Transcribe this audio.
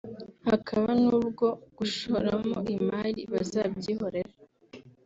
hakaba n’ubwo gushoramo imari bazabyihorera